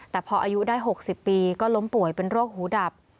แต่พออายุได้๖๐ปีก็ล้มป่วยเป็นโรคหูดับ